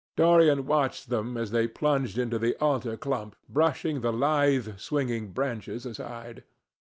Dorian watched them as they plunged into the alder clump, brushing the lithe swinging branches aside.